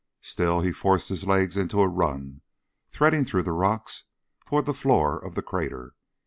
Still, he forced his legs into a run, threading through the rocks toward the floor of the crater.